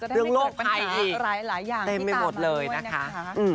เรื่องโลกภัยอีกเต็มไม่หมดเลยนะคะ